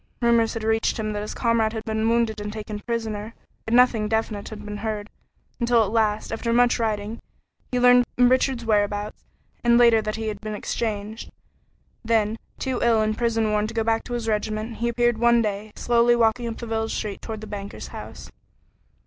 Rumors had reached him that his comrade had been wounded and taken prisoner, yet nothing definite had been heard, until at last, after much writing, he learned Richard's whereabouts, and later that he had been exchanged. Then, too ill and prison worn to go back to his regiment, he appeared one day, slowly walking up the village street toward the banker's house.